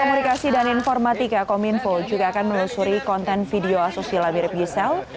komunikasi dan informatika kominfo juga akan melusuri konten video asosial mirip giselle